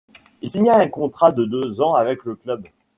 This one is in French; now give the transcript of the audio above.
Il signa un contrat de deux ans avec le club.